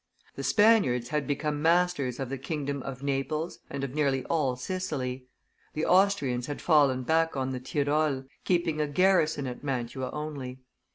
The Spaniards had become masters of the kingdom of Naples and of nearly all Sicily; the Austrians had fallen back on the Tyrol, keeping a garrison at Mantua only.